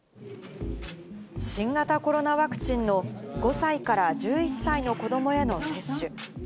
新型コロナワクチンの５歳から１１歳の子どもへの接種。